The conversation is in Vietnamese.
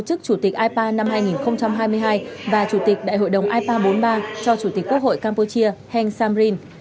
chức chủ tịch ipa năm hai nghìn hai mươi hai và chủ tịch đại hội đồng ipa bốn mươi ba cho chủ tịch quốc hội campuchia heng samrin